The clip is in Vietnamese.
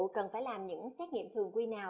cần phải làm những xét nghiệm thường quy nào